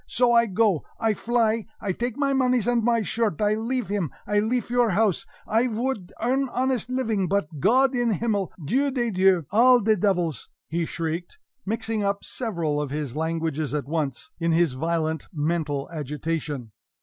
So I go I fly I take my moneys and my shirt I leafe him, I leafe your house! I vould earn honest living, but Gott im himmel! Dieu des dieux! All de devils!" he shrieked, mixing up several of his languages at once, in his violent mental agitation.